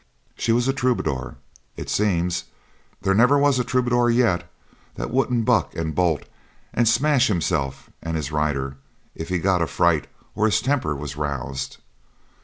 She was a Troubadour, it seems; there never was a Troubadour yet that wouldn't buck and bolt, and smash himself and his rider, if he got a fright, or his temper was roused.